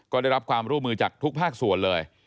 ก็ได้รับความร่วมมือจากทุกภาคส่วนเลย